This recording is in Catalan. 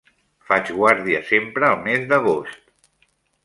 Faig guàrdia sempre al mes d'agost.